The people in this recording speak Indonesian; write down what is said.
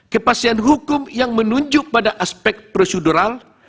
kepastian hukum yang menunjuk pada aspek prosedural